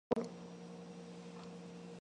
가시죠.